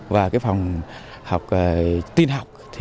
và phòng học tin học